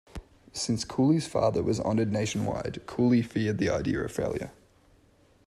Since Cooley's father was honored nationwide, Cooley feared the idea of failure.